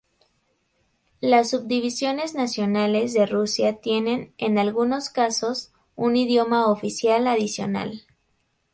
Las subdivisiones nacionales de Rusia tienen, en algunos casos, un idioma oficial adicional.